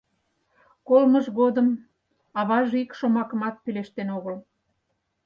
Колымыж годым аваже ик шомакымат пелештен огыл.